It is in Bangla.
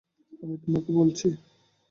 আমি তোমাকে বলছি।